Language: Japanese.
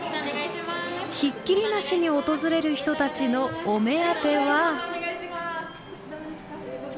ひっきりなしに訪れる人たちのお目当ては。